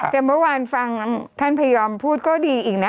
แต่เมื่อวานฟังท่านพยอมพูดก็ดีอีกนะ